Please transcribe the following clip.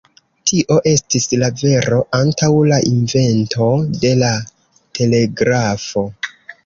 Tio estis la vero antaŭ la invento de la telegrafo.